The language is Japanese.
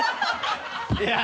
いや。